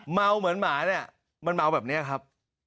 เมาเหมือนหมามันเมาแบบนี้ครับ